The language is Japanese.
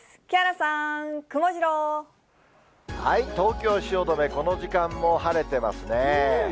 木原さん、東京・汐留、この時間も晴れてますね。